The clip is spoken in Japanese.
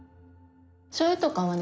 しょうゆとかはね